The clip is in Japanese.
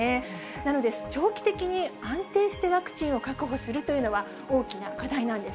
なので、長期的に安定してワクチンを確保するというのは、大きな課題なんです。